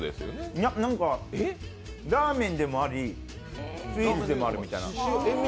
いや、なんかラーメンでもありスイーツでもあるみたいな。